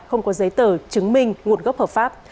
không có giấy tờ chứng minh nguồn gốc hợp pháp